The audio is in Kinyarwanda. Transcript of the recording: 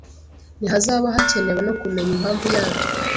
ntihazaba hakenewe no kumenya impamvu yabyo